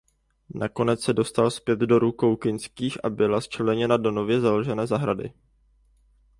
Nakonec se dostala zpět do rukou Kinských a byla začleněna do nově založené zahrady.